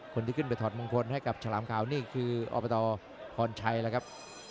คนที่ขึ้นไปถอดมงคลให้กับฉลามขาวนี่คืออบตพรชัยแล้วครับ